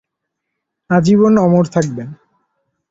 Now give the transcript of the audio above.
আজীবন অমর থাকবেন।